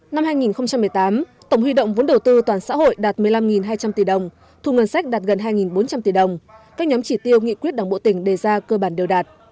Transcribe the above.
năm hai nghìn một mươi tám tổng huy động vốn đầu tư toàn xã hội đạt một mươi năm hai trăm linh tỷ đồng thu ngân sách đạt gần hai bốn trăm linh tỷ đồng các nhóm chỉ tiêu nghị quyết đảng bộ tỉnh đề ra cơ bản đều đạt